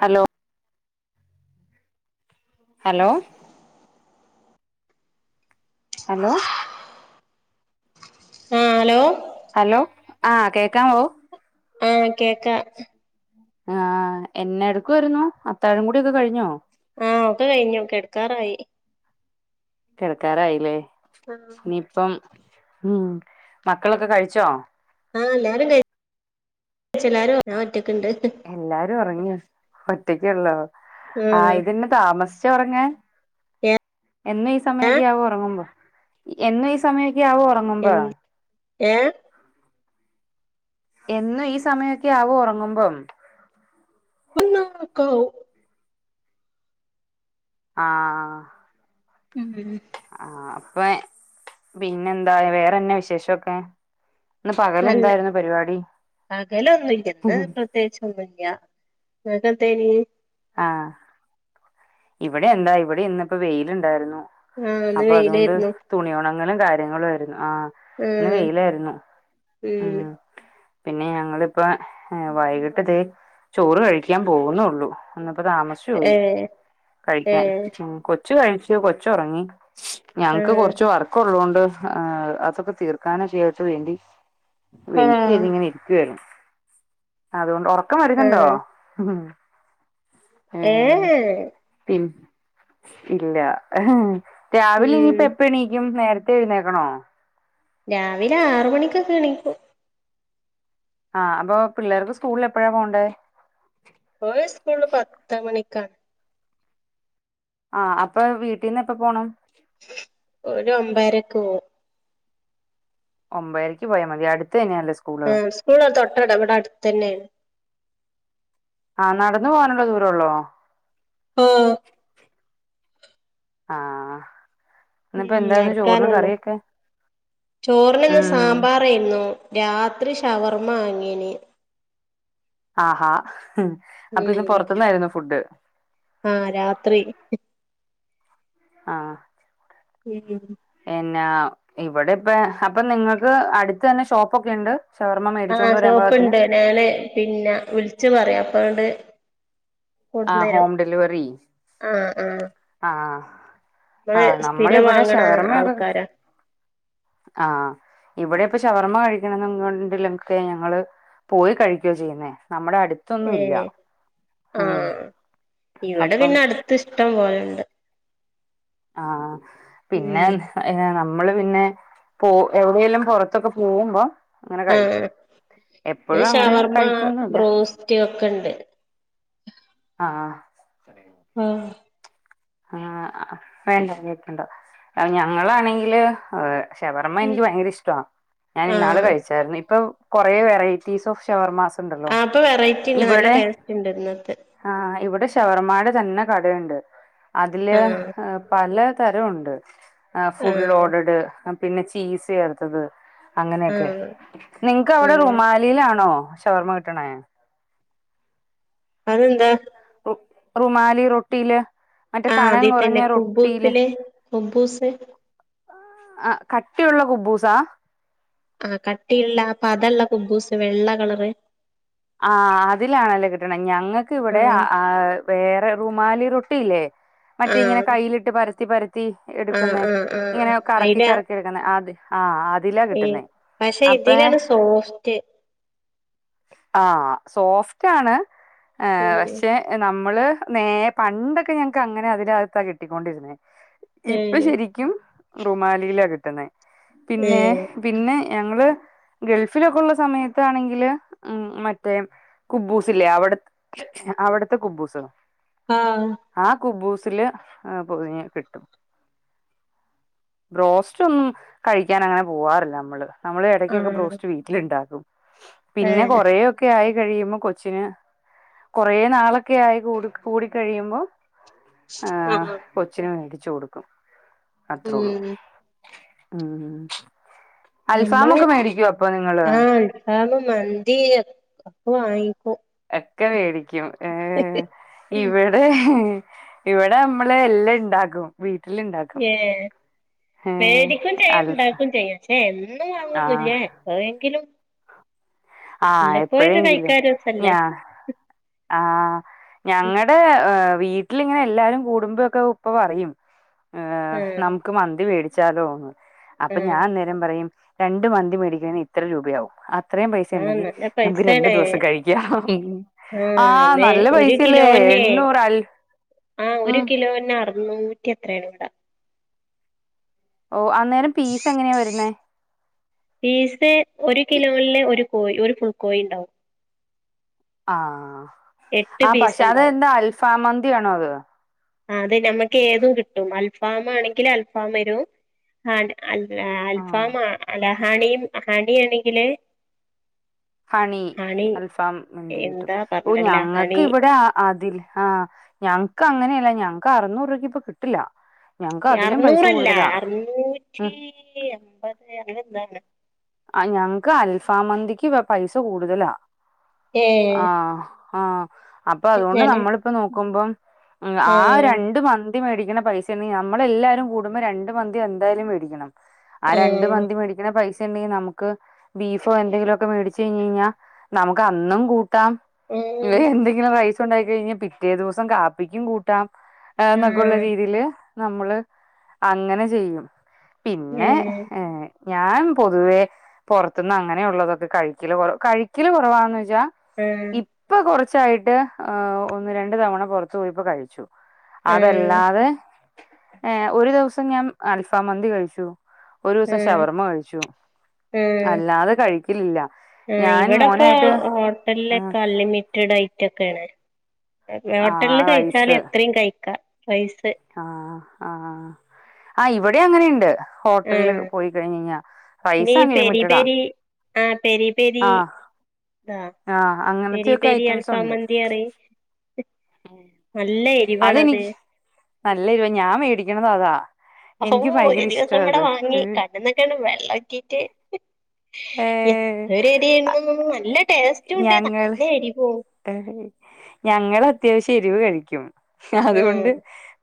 Hello hello hello ആഹ് hello hello ആഹ് കേൾക്കാവോ ആഹ് കേക്ക ആഹ് എന്നെ എടക്കുവായിരുന്നു അത്താഴം കൂടിക്കെ കഴിഞ്ഞോ ആഹ് ഒക്കെ കഴിഞ്ഞു കെടക്കാറായി കിടക്കാരായില്ലേ ആ ഇനിയിപ്പം ഉം മക്കളൊക്കെ കഴിച്ചോ ആഹ് എല്ലാരും ക എല്ലാരും ഞാൻ ഒറ്റക്ക ഇണ്ട് എല്ലാരും ഉറങ്ങിയോ ഒറ്റക്കള്ളോ ആ ആയിതന്നെ താമസിച്ചോ ഉറങ്ങാൻ എന്നും ഈ ഏതാ സമയക്കെ ആവോ ങ്ങ്മ്പോ എന്നു ഈ സമയൊക്കആവോ ഒറ എൻ ഏഹ് എന്നും ഈ സമയൊക്കെ ആവോ ഉറങ്ങുമ്പം [inaudible] ആഹ് ഉം ആഹ് അപ്പൊ പിന്നെ എന്താ വേറെന്നാ വിശേഷോക്കെ ഇന്ന് നല്ല പകലെന്തായിരുന്നു പരിപാടി ചോർമല്ല ഇങ്ങക്ക്ന്തയ്ൻ ആഹ് ഇവിടെ എന്താ ഇവിടെ ഇന്നിപ്പോ വെയിലുണ്ടായിരുന്നു ആ ഇന്ന് അപ്പൊ അതുകൊണ്ട് വെയിലായിരുന്നു തുണിഒണങ്ങലും കാര്യങ്ങളും ആയിരുന്നു ആഹ് ആ ഇന്ന് വെയിലായിരുന്നു ഉം ആഹ് പിന്നെ ഞങ്ങളിപ്പ വൈകിട്ട് ദേ ചോറ് കഴിക്കാൻ പോകുന്നുള്ളു വന്നപ്പോ താമസിച്ചു ഏ പോയി ഏ കഴിക്കാൻ ഉം കൊ ച്ച് കഴിച്ച് കൊച്ചൊറങ്ങി, ഞങ്ങക്ക് കൊറച്ച് ആ വർ ക്കുള്ളോണ്ട് അതൊക്കെ തീർക്കാന് [unintelligible] വേണ്ടി ആ വെയിറ്റ്യ്തിങ്ങനെ ഇരിക്കുവാരുന്നു അതുകൊണ്ട് ഉറക്കം ആ വരുന്നുണ്ടോ ഏ ഏഹ് ഏ പി ഇല്ല രാവിലെ ഉം ഇനിയിപ്പ എ പ്പണീക്കും, നേരത്തെ എഴുന്നേക്കണോ രാവിലെ ആറ് മണിക്കൊക്കെ എണീക്കും ആഹ് അപ്പോ പിള്ളേർക്ക് സ്കൂളില് എപ്പോഴാ പോണ്ടേ ഓല സ്കൂളില് പത്ത് മണിക്കാണ് ആഹ് അപ്പൊ വീട്ടിന്ന് എപ്പോ പോണം ഒരു ഒമ്പയരക്ക് പോവും ഒമ്പയരക്ക് പോയാ മതി അടുത്തന്നെയാല്ലേ സ്കു ആഹ് സ്കൂള് തൊട്ടട ഇവിടടുത്ത്ന്നെയാണ് ആഹ് നടന്നു പോകാനുള്ള ദൂരള്ളോ ആഹ് ആഹ് ഉം നടക്കാനുള്ളു. ചോറിനിന്ന് ഉം സാമ്പാ റായ്ന്നു. രാത്രി ഷവർമ്മ വാങ്ങീന് ആഹ് ആഹ് അപ്പൊ ഇന്ന് ഉം പൊറത്തുന്നായിരുന്നു ഫുഡ്ഡ് ആഹ് രാത്രി ആഹ് ഉം ഉം എന്നാ ഇവിടെ ഇപ്പ അപ്പൊ നിങ്ങൾക്ക് അടുത്ത് തന്നെ ഷോപ്പോക്കെണ്ട് ഷവർമ്മ മേടിച്ചൊണ്ട് വരാൻ ഭാഗത്തിന് മേലെ പിന്നെ വിളിച്ചു പറയാം അപ്പങ്‌ട്ട് ആഹ് ഹോം ഡെലിവറി ആഹ് ആഹ് ആഹ് നമ്മള് ആഹ് സ്ഥിരം നമ്മളിവിടെ വാങ്ങണ ഷവർമയൊക്കെ ആൾക്കാരാ ആഹ് ഇവിടെ ഇപ്പൊ ഷവർമ്മ കഴിക്കണംന്നുണ്ടങ്കിലൊക്കെ ഞങ്ങള് പോയി കഴിക്യാ ചെയ്യുന്നേ, നമ്മടെ അടുത്തൊന്നും ഇല്ല ഏഹ് ഉം ആഹ് ഇവിടെ അപ്പം പിന്നെ അടുത്ത് ഇഷ്ടമ്പോലെണ്ട് ആഹ് പിന്നെ നമ്മള് പിന്നെ പോ എവിടെലും പുറത്തൊക്കെ പോകുമ്പോം ഇങ്ങനെ കഴിക്കും ആഹ് എപ്പോഴും അങ്ങനെ കഴിക്കോന്നൂല റ്റിയൊക്കെണ്ട് ആഹ് ആഹ് ആഹ് വേണ്ട [unintelligible] ഞങ്ങളാണെങ്കില് ഏഹ് ഷവർമ്മ ഉം എനിക്ക് ഭയങ്കര ഇഷ്ടവാ ഞാൻ ഇന്നാള് ആഹ് കഴിച്ചായിരുന്നു ഇപ്പൊ കുറെ വെറൈറ്റീസ് ഓഫ് ഷവർമാസ് ഉണ്ടല്ലോ ആഹ് പ്പൊ വെറൈറ്റിണ്ട് നല്ല ഇവിടെ ടേസ്റ്റ്ണ്ട് ഇന്നത്തെ ആഹ് ഇവിടെ ഷവർമാടെ തന്നെ കടയുണ്ട് അതില് ആഹ് പല തരംണ്ട് ഫുൾ ആഹ് ലോർഡഡ് പിന്നെ ചീസ് ചേർത്തത് അങ്ങനെയൊക്കെ. ആഹ് നിങ്ങക്ക് അവിടെ ആഹ് റുമാലിയിലാണോ ഷവർമ്മ കിട്ടണെ അതെന്താ റ് റുമാലി റൊട്ടിയില് മറ്റേ ആഹ് കനം അതി കുറഞ്ഞ തന്നെ റൊട്ടിയില് കുബൂസില് കുബൂസ് ആ കട്ടിയുള്ള കുബ്ബൂസാ ആഹ് കട്ടിയുള്ള പതള്ള കുബൂസ് വെള്ള കളറ് ആഹ് അതിലാണല്ലേ കിട്ടണെ ഞങ്ങൾക്കവിടെ ആഹ് വേറെ റുമാലി റൊട്ടിയില്ലേ മറ്റേ ഇങ്ങനെ ആഹ് കയ്യിലിട്ട് പരത്തി പരത്തി ആഹ് എടുക്കുന്ന ആഹ് ആഹ് ഇങ്ങനെ ആഹ് കറക്കി അയില കറക്കി എടു ആദേ അ ആ ഏഹ് പക്ഷെ ഇതിലാണ് സോഫ്റ്റ് ആഹ് സോഫ്റ്റാണ് ഏഹ് ഉം പക്ഷേ നമ്മള് നേ പണ്ടൊക്കെ ഞങ്ങക്ക് അങ്ങനെ അതിനകത്ത കിട്ടിക്കൊണ്ടിരുന്നേ ഇപ്പൊ ഏഹ് ശരിക്കും റുമാലിയിലാ കിട്ടുണെ പിന്നെ ഏഹ് പിന്നെ ഞങ്ങള് ഗൾഫിലൊക്കെള്ള സമയത്താണെങ്കില് ഉം മറ്റേ കുബൂസ്ല്ലേ അവിടെ അവിടുത്തെ കുബ്ബൂസ് ആഹ് ആഹ് കുബൂസില് ആഹ് പൊതിഞ്ഞ് കിട്ടും ബ്രോസ്റ്റ്ന്നും കഴിക്കാനങ്ങനെ പോവാറില്ല നമ്മള് നമ്മള് ഇടക്കൊക്കെ ആഹ് ബ്രോസ്റ്റ് വീട്ടിലുണ്ടാക്കും പിന്നെ ഏഹ് കൊറൊയൊക്കെ ആയി കഴിയുമ്പോൾ കൊച്ചിന് കുറെേ നാളൊക്കെ ആയി കൂടി കൂടി കഴിയുമ്പോ ആഹ് കൊച്ചിന് വേടിച്ചു കൊടുക്കും അത്രേള്ളൂ ഉം ഉം അൽഫമൊക്കെ മേടിക്കൊ അപ്പൊ നിങ്ങള് ആമ മന്തി അപ്പൊ വാങ്ങിക്കും ഒക്കെ വേടിക്കും ഏഹ് ഇവിടെ ഇവിടെമ്മള് എല്ലാം ണ്ടാക്കും വീട്ടില്ണ്ടാക്കും വേടിക്കും ചെയ്യും അൽഫ ണ്ടാക്കും ചെയ്യും പക്ഷെ എന്നും ആ വാങ്ങൊന്നില്ല്യ എപ്പളെങ്കിലും ആഹ് എപ്പോഴെങ്കിലും കഴിക്കാൻ രസല്ലേ ഞാ ആഹ് ഞങ്ങടെ വീ വീട്ടിലിങ്ങനെ എല്ലാരും കൂടുമ്പോഴൊക്കെ ഉപ്പ പറയും ആഹ് നമുക്ക് മന്തി വേടിച്ചാലോന്ന് അപ്പൊ ഞാ ആഹ് അന്നേരം പറയും രണ്ട് മന്തി മേടിക്കാന് ഇത്ര രൂപയാവും അത്രയും ആഹ് പൈസണ്ടെങ്കി നല്ല നമുക്ക് രണ്ടു പൈസേണ് ദിവസം കഴിക്കാം ആഹ് അന്നെ നല്ല ഒരു പൈസല്ലേ കിലോന്നെ എണ്ണൂറ് അൽ ആഹ് ഒരു ഉം കിലോന്നെ അർ നൂറ്റി എത്ര അങ്ങാണ്ടാ ഓ അന്നേരം പീസ് എങ്ങനെയാ വരുന്നേ പീസ് ഒരു കിലോല് ഒരു കോഴി ഒരു ഫുൾ കോഴിണ്ടാവും ആഹ് എട്ട് ആഹ് പീസ് പക്ഷെ അത് ഉണ്ടാവും എന്താ അൽഫാ മന്തിയാണോ അത് ആഹ് അത് നമക്ക് ഏതും കിട്ടും അൽഫം ആണെങ്കിൽ അൽഫാമെരും ഹ അ ആഹ് അൽഫാ അഹണിയും അഹണിയണെങ്കില് ഹണി അൽഫാം മന്തികിട്ടും എന്താ ഓ പറഞ്ഞല്ല ഞങ്ങൾക്ക് ഹണി ഇവിടെ ആ അതിൽ ആഹ് ഞങ്ങക്ക് അങ്ങനെയല്ല ഞങ്ങക്ക് അറൂനൂർരൂപക്ക് ഇപ്പ കിട്ടില്ല ഞങ്ങക്ക് അതിലും പൈസ അറനൂറല്ല കൂടുതലാ ഉം അറനൂറ്റി അമ്പത് അങ്ങനെന്താണ് ആഹ് ഞങ്ങക്ക് അൽഫ മന്തിക്ക് പൈസ കൂടുതലാ ഏ ആഹ് ആഹ് അപ്പം അതുകൊണ്ട് എച്ചാല് നമ്മളിപ്പം നോക്കുമ്പം ആ രണ്ട് മന് മന്തി മേടിക്ക്ണ പൈസയിണ്ടെങ്കി നമ്മള് എല്ലാരും കൂടുമ്പം രണ്ട് മന്തി എന്തായാലും മേടിക്കണം ആഹ് ആ രണ്ട് മന്തി മേടിക്ക്ണ പൈസ സ ഉണ്ടെങ്കി നമുക്ക് ബീഫോ എന്തെങ്കിലൊക്കെ മേടിച്ച് കഴിഞ്ഞ് കയിഞ്ഞാൽ നമുക്ക് അന്നും കൂട് കൂട്ടാം ആ എന്തെങ്കിലും റൈസ് ഉണ്ടാക്കി കഴിഞ്ഞാൽ പിറ്റേ ദിവസം കാപ്പിക്കും കൂ ട്ടാം ആ എന്നൊക്കള്ള രീതിയില് നമ്മള് അങ്ങനെ ചെയ്യും ഏ പിന്നെ ഏഹ് ഞാ പൊതുവേ പൊറത്ത്ന്ന് അങ്ങനെയുള്ളതൊക്കെ കഴിക്കല് കൊറ കഴിക്കല് കുറവാന്ന് വെച്ചാൽ മ് ഇപ്പ കൊറച്ചായിട്ട് ഹേ ഒന്ന് രണ്ടു തവണ പൊറത്ത് പോയപ്പോ കഴിച്ചു ആ ആ ആ അതല്ലാതെ ഏ ഒരു ദിവസം ഞാൻ അൽഫാ മന്തി കഴിച്ചു ഒരൂസം ഷവർമ്മ കഴിച്ചു ഉം അല്ലാതെ കഴിക്കലില്ല ആ ഞാൻ ഇവടെപ്പം മോനായിട്ട് ഹോട്ടലിലൊക്കെ അൺലിമിറ്റ് റ്റ് ഡൈറ്റൊക്കെ ആണ് ആ ഹോട്ടൽ റൈസ് കഴിച്ചാല് എത്രയും കഴിക്കാ റൈസ് ആഹ് ആഹ് ആഹ് ഇവടിം അങ്ങനെണ്ട് ആ ഹോട്ടല് പോയി കഴിഞ്ഞഴിഞ്ഞാ റൈസ് അൺലിമിറ്റഡാ ആഹ് പെരി പെരി ആഹ് ആഹ് പെരി അങ്ങനത്തെയൊക്കെ പെരി ഐറ്റംസ് അൽഫാം ഉണ്ട് മന്തിയറിം അതെനിക്ക് നല്ലെരുവാ ഞാൻ മേടിക്ക്ണതതാ ഓ ഒരു ദിവസം ഇവടെ വാങ്ങി കണ്ണ്ന്നൊക്കെയാണ്ട് വെള്ള ഉറ്റീട്ട് ഏഹ് എന്തൊരു എരിയായിരുന്നു നല്ല ടേസ്റ്റും ഉണ്ട് ഞങ്ങള് നല്ല എരിവും ഞങ്ങള് അത്യാവശ്യം എരിവ് കഴിക്കും അതുകൊണ്ട് ഉം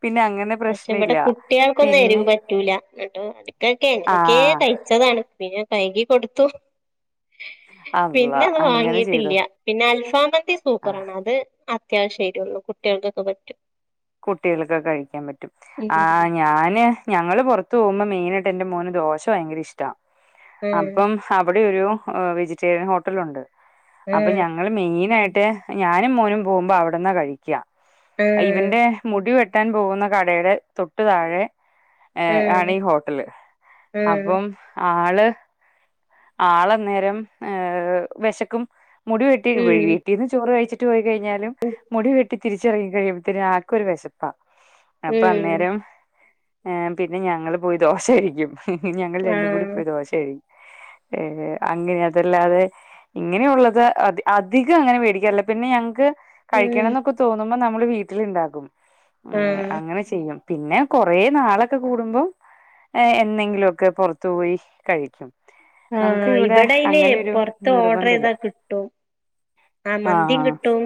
പിന്നെ അങ്ങനെ പക്ഷെ ഇവടെ പ്രശ്നല്ല കുട്ടിയൾക്കൊന്നും പിന്നെ എരിവ് പറ്റൂല ഇന്നട്ട് [unintelligible] എങ്ങനെക്കേ ആഹ് കഴിച്ചതാണ് പിന്നെ കൈകി കൊടുത്തു പിന്നെ അള്ളാ അത് അങ്ങനെ വാങ്ങിയിട്ടില്ല ചെയ്തോ പിന്നെ അൽഫാം മന്തി ആ സൂപ്പറാണ് അത് അത്യാവശ്യം എരൊള്ളൂ കുട്ടിയൾക്കൊക്കെ പറ്റും കുട്ടികൾക്കൊക്കെ കഴിക്കാൻ പറ്റും ആ ഉം ഞാന് ഞങ്ങള് പൊറത്ത് പൊർത് പോകുമ്പം മെയിനായിട്ട് എന്റെ മോന് ദോശ ഭയങ്കര ഇഷ്ടാ ആഹ് അപ്പം അവിടെ ഒരു ഏ വെജിറ്റേറിയൻ ഹോട്ടല് ഒണ്ട് അപ്പൊ ഞങ്ങ ആഹ് ഞങ്ങള് മെയിനായിട്ട് ഞാനും മോനും പോകുമ്പോ അവിടെന്നാ കഴിക്ക ആഹ് ഇവന്റെ മുടി വെട്ടാൻ പോകുന്ന കടേടെ തൊട്ടു താഴെ ഏ ആഹ് ആഹ് ആണീ ഹോട്ടല് ആഹ് അപ്പം ആള് ആളന്നേരം ഏ വെശക്കും മുടിവെട്ടി ഉം വീട്ടീന്ന് ചോറ് കഴിച്ച് ട്ട് പോയി കഴിഞ്ഞാലും മുടി വെട്ടി തിരിച്ചിറങ്ങി കഴിയുമ്പത്തേനും ആക്കൊരു വെശപ്പാ അപ്പം ഉം അന്നേരം ഏ പിന്നെ ഞങ്ങള് പോയി ദോശ കഴിക്കും ഞങ്ങൾ രണ്ടുകൂടി ആഹ് പോയി ദോശകയികും ഏ അങ്ങനെ അതല്ലാതെ ഇങ്ങനെയുള്ളത് അധി അധികം അങ്ങനെ വേടിക്കാറില്ല പിന്നെ ഞങ്ങക്ക് ഉം കഴിക്കണംന്നൊക്കെ തോന്നുമ്പം നമ്മള് വീട്ടില്ണ്ടാകും ആഹ് അങ്ങനെ ചെയ്യും പിന്നെ കൊറേ നാളൊക്കെ കൂടുമ്പം ഏ എന്നെങ്കിലൊക്കെ പൊറത്തു പോയി കഴിക്കും നമുക്ക് ആഹ് ഇവിടെ ഇബടെ അയ്ന് അങ്ങനെയൊരു പൊറത്ത് ഓർഡർ നിർബന്ധല്ല ചെയ്താ കിട്ടും ആ മന്തിം ആഹ് കിട്ടും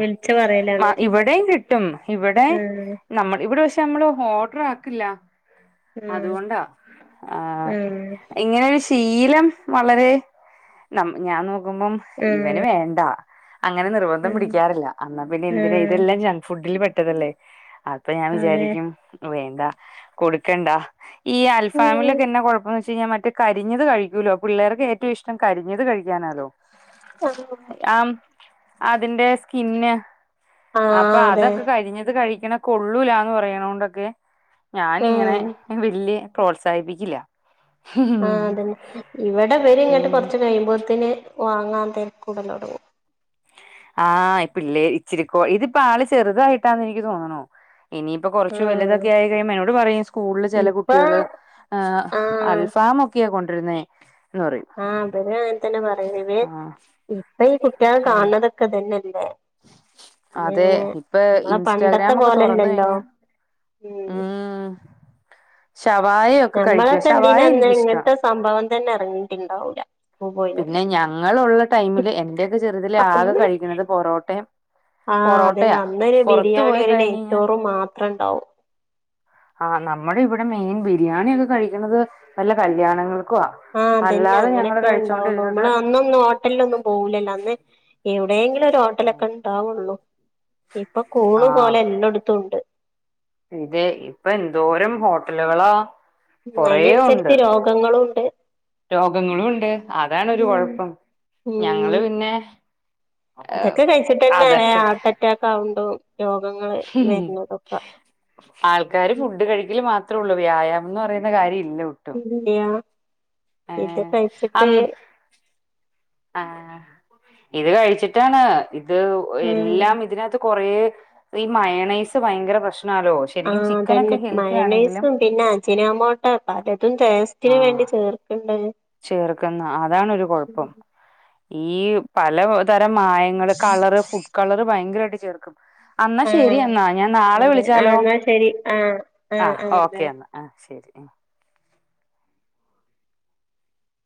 വിളിച്ചു പറയലാണ് ഇവടേം കിട്ട് ട്ടും ഇവടെ ആഹ് നമ്മള് ഇവടെ പക്ഷെ നമ്മള് ഓർഡർ ആക്കില്ല ആഹ് അതുകൊണ്ടാ ആഹ് ഇങ്ങനെ ഒരുശീലം വളരേ നം ഞാൻ നോക്കുമ്പം ഇവന് വേണ്ട അങ്ങനെ നിർബന്ധം ആഹ് ആഹ് പിടിക്കാറില്ല അന്നാ പിന്നെ എന്തിനാ ആഹ് ഇതെല്ലാം ജങ്ക് ഫുഡിൽ പെട്ടതല്ലേ അ അപ്പം ഞാൻ അതെ വിചാരിക്കും വേണ്ട കൊടുക്കണ്ട ഈ അൽഫാമിലും ഉം എന്നാ കൊഴപ്പംന്ന് വെച്ചഴിഞ്ഞാ മറ്റേ കരിഞ്ഞത് കഴിക്കൂല്ലോ പിള്ളേർക്ക് ഏറ്റവും ഇഷ്ടം കരിഞ്ഞത് കഴിക്കാനാലോ [unintelligible] ആം അതിന്റെ സ്കിന്ന് ആഹ് അപ്പൊ അതെ അതൊക്കെ കരിഞ്ഞത് കഴിക്കണ കൊള്ളൂലാന്ന് പറയണൊണ്ടൊക്കെ ഞാനിങ്ങനെ ഉം വല്യ പ്രോത്സാഹിപ്പിക്കില്ല ആഹ് ഉം അതന്നെ ഇവിടെ ഇവര് ഇങ്ങോട്ട് കുറച്ച് കഴിയുമ്പോത്തന് വാങ്ങാ തെരക്ക് കൂടുലോടങ്ങും ആഹ് പിള്ളേ ഇച്ചിരിക്കോ ഇതിപ്പോ ആള് ചെറുതായിട്ടാന്ന് എനിക്ക് തോന്നണു ഇനി പ്പൊ കൊറച്ച് ആഹ് വലുതൊക്കെ ആയി കഴിയ്പം എന്നോട് പറയും സ്കൂളില് ചെല ഇപ്പൊ കുട്ടികള് ആഹ് ആഹ് അൽഫാമൊക്കെയാ കൊണ്ടരുന്നേ എന്ന് പറയും അവര് അങ്ങനെ തന്നെ പറയ്ണെ ആഹ് ഇപ്പ ഈ കുട്ടിയാള് ആഹ് കാണതൊക്കെ ഇതന്നെയല്ലേ പിന്ന അതെ അങ്ങനെ ഇപ്പൊ നമ്മള പണ്ടത്തെ ഇൻസ്റ്റാഗ്രാം ഒക്കെ തുറന്ന് പോലെല്ലല്ലോ കഴിഞ്ഞാ ഉം ഷവായ ഒക്കെ കഴിക്കും നമ്മളൊക്കെ ഇണ്ടീന ഷവായ അന്ന് എനിക്കിഷ്ടാ ഇങ്ങനത്തെ സംഭവം തന്നെ ഇറങ്ങിയിട്ടുണ്ടാവൂല സ്കൂൾ പിന്നെ പോയിനന്ന് ഞങ്ങളുള്ള ടൈമില് എന്റെയൊക്കെ ചെറുതിൽ ആകെ അന്ന് കഴിക്കുന്നത് പൊറോട്ട ആഹ് അതെ അന്നൊരു പൊറത്ത് ബിരിയാണി പോയി ഒരു കഴിഞ്ഞ് കഴിഞ്ഞാ നെയച്ചോറും മാത്രം ഉണ്ടാവും ആഹ് നമ്മുടെ ഇവിടെ മെയിൻ ബിരിയാണി ഒക്കെ കഴിക്കുന്നത് വല്ല കല്യാണങ്ങൾക്കൊ ആഹ് അതെന്നെ അങ്ങനൊക്കെ ഉണ്ടാവുള്ളു നമ്മള് അന്നൊന്നും ഓ ഹോട്ടൽ ലൊന്നും പോവൂല്ലല്ലോ അന്ന് എവിടെയെങ്കിലും ഒരു ഹോട്ടലൊക്കെ ഉണ്ടാവുള്ളൂ ഇപ്പൊ കൂണ് പോലെ എല്ലട്ത്തും ഉണ്ട് ഇതെ ഇപ്പൊ എന്തോരം ഹോട്ടലുകളാ ഉം കൊറേ ഉണ്ട് അതിനനുസരിച്ച് രോഗങ്ങളും ഉണ്ട് രോഗങ്ങളും ഉണ്ട് അതാണൊരു കൊഴപ്പം ഉം ഞങ്ങള് പിന്നെ ഇതൊക്കെ കഴിച്ചിട്ട് തന്നെയാണ് അതൊക്കെ ഹാർട്ട് അറ്റാക്ക് ആക്ണ്ടോ രോഗങ്ങൾ വരുന്നതൊക്കെ ആൾക്കാര് ഫുഡ് കഴിക്കല് മാത്രമേള്ളൂ വ്യായാമം എന്ന് പറയുന്ന കാര്യം ഇല്ല ല്ലയാ ഏ ഇത് കഴിച്ചിട്ട് ആഹ് ഇത് കഴിച്ചിട്ടാണ് ഇത് ഉം എല്ലാം ഇതിനകത്ത് കൊറേ ഈ മയെണൈസ് ഭയങ്കര പ്രശ്നാലൊ ആഹ് അതന്നെ മയെണെയ്സും പിന്നെ അജിനാ മോട്ട പലതും ടെ സ്റ്റിനു വേണ്ടി ചേർക്ക്ണ്ട് ചേർക്കുന്ന് അതാണ് ഒരു കുഴപ്പം ഉം ഈ പല തരം മായങ്ങള് കളറ് ഫുഡ് കളറ് ഭയങ്കരമായിട്ട് ചേർക്കും അന്നാ ശരി ആഹ് എന്നാ ഞാൻ നാളെ അതെ ആഹ് വിളിച്ചാലോ എന്നാ ശരി ആഹ് ആഹ് ബൈ ഓക്കേ എന്നാ ആഹ് ശരി ആഹ്